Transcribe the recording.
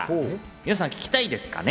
皆さん聞きたいですかね？